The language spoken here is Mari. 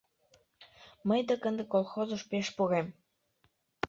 Мый дык ынде колхозыш пеш пурем.